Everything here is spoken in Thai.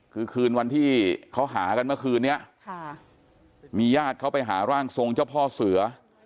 คือคืนวันที่เขาหากันเมื่อคืนนี้มีญาติเขาไปหาร่างทรงเจ้าพ่อเสือ